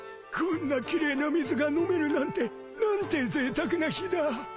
こんな奇麗な水が飲めるなんて何てぜいたくな日だ。